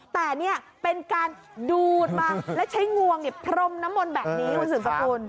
แต่นี่เป็นการดูดมาแล้วใช้งวงพรมน้ำมนต์แบบนี้คุณสืบสกุล